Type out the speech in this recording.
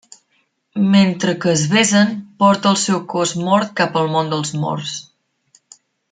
Mentre que es besen, porta el seu cos mort cap al món dels morts.